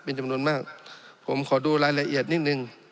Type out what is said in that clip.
ผมขอดูรายละเอียดนิดนึง